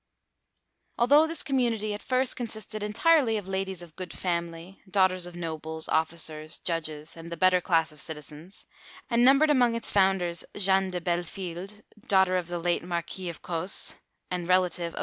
Although this community at first consisted entirely of ladies of good family, daughters of nobles, officers, judges, and the better class of citizens, and numbered amongst its founders Jeanne de Belfield, daughter of the late Marquis of Cose, and relative of M.